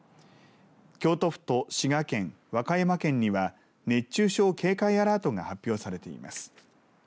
京都府と滋賀県、和歌山県には熱中症警戒アラートが発表されています。